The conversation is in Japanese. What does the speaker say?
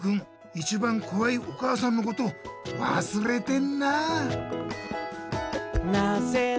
一番こわいお母さんのことわすれてんな。